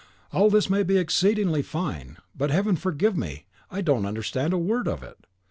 "All this may be exceedingly fine, but, Heaven forgive me, I don't understand a word of it.